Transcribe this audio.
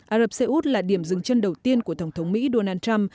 ả rập xê út là điểm dừng chân đầu tiên của tổng thống mỹ donald trump